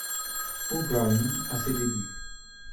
O'Brien à ses débuts.